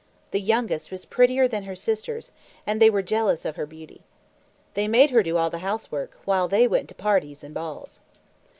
The youngest was prettier than her sisters, and they were jealous of her beauty. They made her do all the housework, while they went to parties and balls.